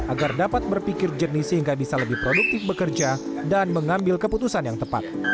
agar dapat berpikir jernih sehingga bisa lebih produktif bekerja dan mengambil keputusan yang tepat